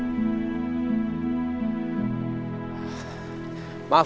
aku mau pergi ke rumah sakit